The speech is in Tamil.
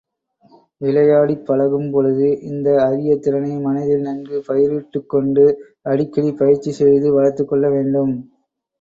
விளையாடிப் பழகும்பொழுது, இந்த அரிய திறனை மனதில் நன்கு பயிரிட்டுக் கொண்டு, அடிக்கடி பயிற்சி செய்து வளர்த்துக்கொள்ள வேண்டும்.